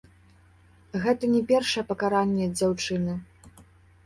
Гэта не першае пакаранне дзяўчыны.